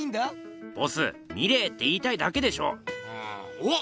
おっ！